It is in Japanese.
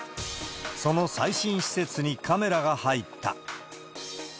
その最新施設にカメラが入った。